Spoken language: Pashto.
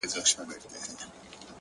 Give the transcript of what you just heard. o هغه د بل د كور ډېوه جوړه ده؛